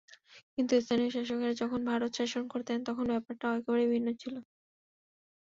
কিন্তু স্থানীয় শাসকেরা যখন ভারত শাসন করতেন, তখন ব্যাপারটা একেবারেই ভিন্ন ছিল।